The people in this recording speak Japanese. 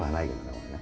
これね。